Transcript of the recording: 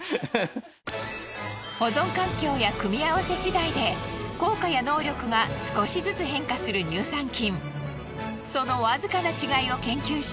保存環境や組み合わせ次第で効果や能力が少しずつ変化する乳酸菌。